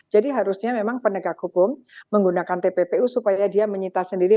jadi harusnya memang penegak hukum menggunakan tpu tpu supaya dia menyita sendiri